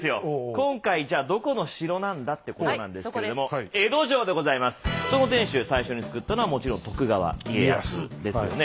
今回じゃあどこの城なんだってことなんですけどもその天守を最初に造ったのはもちろん徳川家康ですよね。